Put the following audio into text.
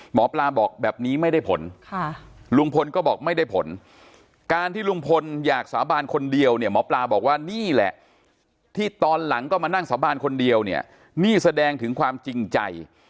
หมอปลาบอกแบบนี้ไม่ได้ผลลุงพลก็บอกไม่ได้ผลการที่ลุงพลอยากสาบานคนเดียวเนี่ยหมอปลาบอกว่านี่แหละที่ตอนหลังก็มานั่งสาบานคนเดียวเนี่ยนี่แสดงถึงความจริงใจ